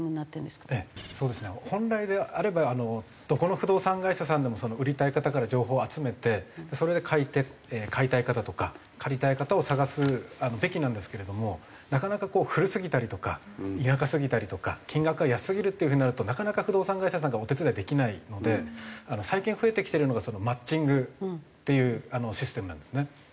そうですね本来であればどこの不動産会社さんでも売りたい方から情報を集めてそれで買い手買いたい方とか借りたい方を探すべきなんですけれどもなかなか古すぎたりとか田舎すぎたりとか金額が安すぎるっていう風になるとなかなか不動産会社さんがお手伝いできないので最近増えてきてるのがマッチングっていうシステムなんですね。